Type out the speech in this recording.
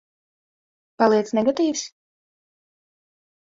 Paliec negatīvs?